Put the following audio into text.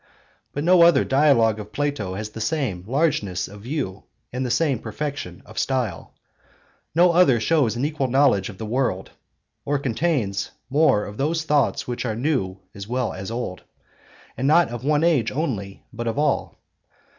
But no other Dialogue of Plato has the same largeness of view and the same perfection of style; no other shows an equal knowledge of the world, or contains more of those thoughts which are new as well as old, and not of one age only but of all.